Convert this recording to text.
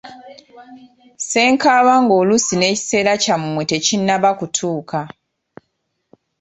Ssenkaaba ng'oluusi n'ekiseera kyammwe tekinnaba kutuuka.